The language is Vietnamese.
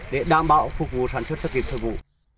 để đảm bảo phục vụ sản xuất cho kịp thời vụ